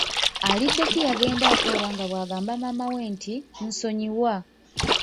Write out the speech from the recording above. Aliddeki yagenda akaaba nga bwagamba maama we nti “nsonyiwa.”